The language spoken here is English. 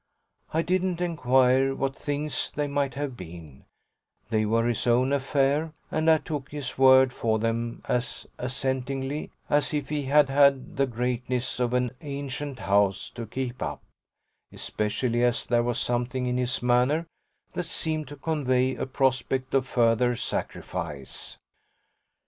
I didn't inquire what things they might have been; they were his own affair, and I took his word for them as assentingly as if he had had the greatness of an ancient house to keep up; especially as there was something in his manner that seemed to convey a prospect of further sacrifice.